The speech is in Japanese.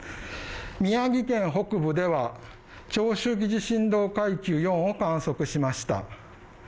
宮城県北部では、長周期地震動階級４を観測しました。